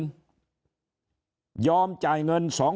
ยอมจ่ายเงิน๒๐๐๐บาทและสมัครเป็นสมาชิกพักใดสักพักหนึ่ง